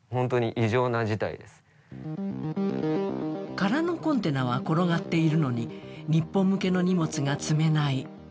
空のコンテナは転がっているのに日本向けの荷物が積めない。